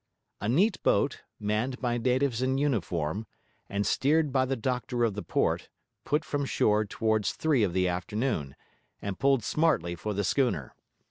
A neat boat, manned by natives in uniform, and steered by the doctor of the port, put from shore towards three of the afternoon, and pulled smartly for the schooner.